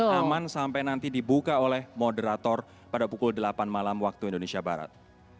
dan aman sampai nanti dibuka oleh moderator pada pukul delapan malam waktu indonesia barat